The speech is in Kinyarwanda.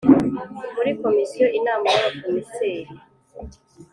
muri komisiyo inama y’abakomiseri